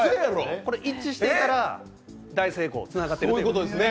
一致していたら、大成功、つながってるということです。